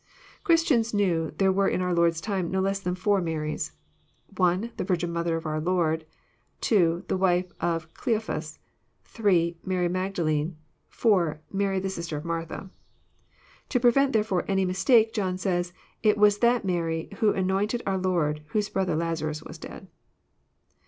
Christians knew there were in our Lord's time no less than four Maries : (1) The virgin mother of our Lord, (2) the wife of Cleophas, (3) Mary Magdalene, (4) Mary the sister of Martha. To prevent, therefore, any mistake, John says,'' It was that Mary who anoint ed our Lord, whose brother Lazarus was dead."